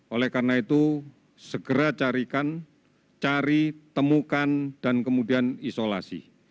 oleh karena itu segera carikan cari temukan dan kemudian isolasi